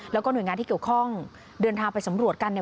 แล้วก็หน่วยงานที่เกี่ยวข้องเดินทางไปสำรวจกันเนี่ย